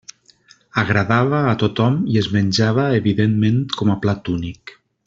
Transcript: Agradava a tothom i es menjava evidentment com a plat únic.